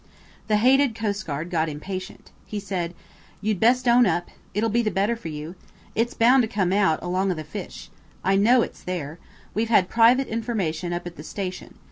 The hated coastguard got impatient. He said– "You'd best own up. It'll be the better for you. It's bound to come out, along of the fish. I know it's there. We've had private information up at the station.